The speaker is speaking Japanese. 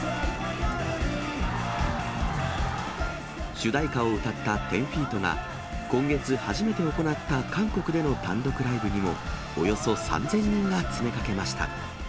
主題歌を歌った１０ーＦＥＥＴが今月、初めて行った韓国での単独ライブにも、およそ３０００人が詰めかけました。